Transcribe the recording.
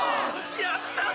やったぞ！